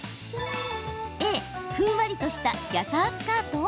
Ａ・ふんわりとしたギャザースカート？